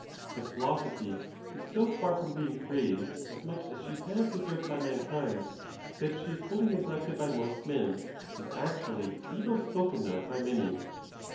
But Philosophy is so far from being praised as much as she has deserved by mankind, that she is whol ly neglected by most men, and actually evil spoken of by many.